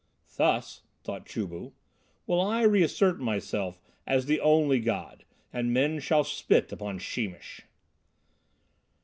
"Thus," thought Chu bu, "will I reassert myself as the only god, and men shall spit upon Sheemish."